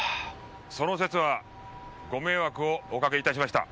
その節はご迷惑をおかけいたしました。